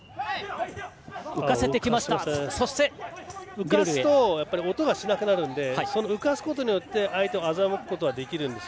浮かすと音がしなくなるので浮かすことによって相手を欺くことができます。